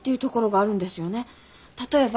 例えば。